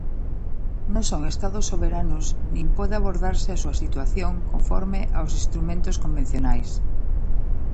Non son estados soberanos nin pode abordarse a súa situación conforme aos instrumentos convencionais.